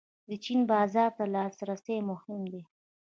د چین بازار ته لاسرسی مهم دی